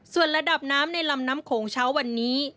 ส่วนระดับน้ำในลำน้ำโขงเช้าวันนี้